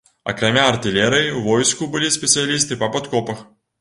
Акрамя артылерыі, у войску былі спецыялісты па падкопах.